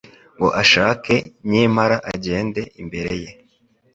Ngo ashake Nyempara agende imbere ye